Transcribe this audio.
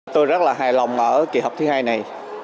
tôi rất là hài lòng ở kỳ họp thứ hai này